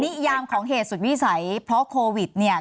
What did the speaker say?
นิยามของเหตุสุดวิสัยเพราะโควิดเนี่ย